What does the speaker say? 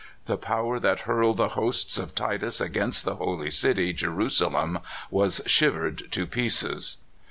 The power that hurled the hosts of Titus against the holy city Jerusalem was shivered to pieces.